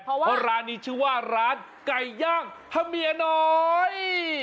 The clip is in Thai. เพราะว่าร้านนี้ชื่อว่าร้านไก่ย่างพะเมียน้อย